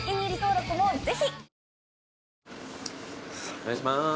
お願いしまーす。